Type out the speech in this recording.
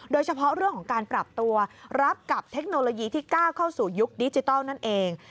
โดยเฉพาะเรื่องของการปรับตัวรับกับเทคโนโลยีที่ก้าวเข้าสู่ยุคดิจิทัลนั่นเอง